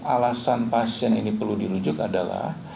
alasan pasien ini perlu dirujuk adalah